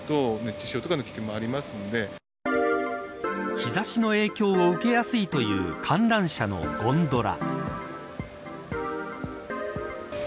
日差しの影響を受けやすいという観覧車のゴンドラ。